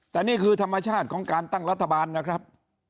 แต่นี่คือธรรมชาติของการตั้งรัฐบาลนะครับ